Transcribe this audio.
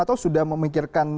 atau sudah memikirkan